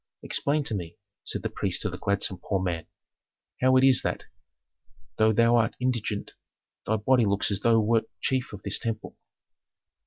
'Explain to me,' said the priest to the gladsome poor man, 'how it is that, though thou art indigent, thy body looks as though thou wert chief of this temple.'